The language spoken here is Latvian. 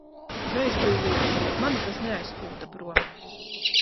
Vējš bija liels, bet mani tas neaizpūta prom.